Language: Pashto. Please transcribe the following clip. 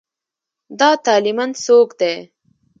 دا طالېمن څوک دی.